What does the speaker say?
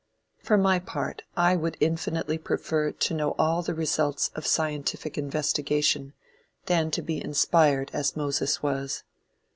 For my part, I would infinitely prefer to know all the results of scientific investigation, than to be inspired as Moses was.